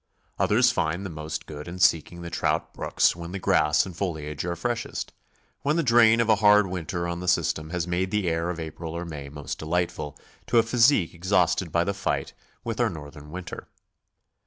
Others find the most good in seeking the trout brooks when the grass and foliage are freshest, when the drain of a hard winter on the system has made the air of April or May most delightful to a physique exhausted by the fight with our Northern winter.